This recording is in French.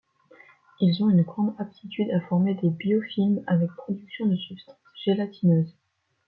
Ils ont une grande aptitude à former des biofilms avec production de substances gélatineuses.